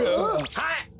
はい。